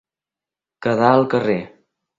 Quedar al carrer.